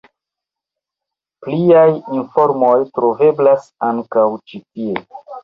Pliaj informoj troveblas ankaŭ ĉi tie.